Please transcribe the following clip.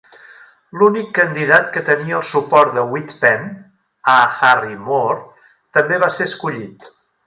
L'únic candidat que tenia el suport de Wittpenn, A. Harry Moore, també va ser escollit.